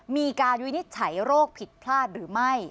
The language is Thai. มีการยุยนิจฉัยโรคผิดพลาดหรือไม่